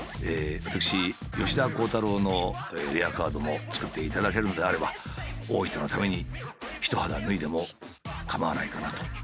私吉田鋼太郎のレアカードも作っていただけるのであれば大分のために一肌脱いでもかまわないかなと。